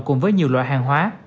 cùng với nhiều loại hàng hóa